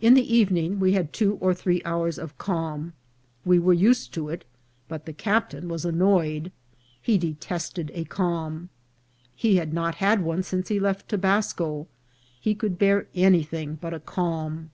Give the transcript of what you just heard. In the evening we had two or three hours of calm ; we were used to it, but the captain was annoyed ; he de tested a calm ; he had not had one since he left Tobas co ; he could bear anything but a calm.